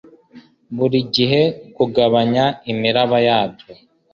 burigihe kugabanya imiraba yabyo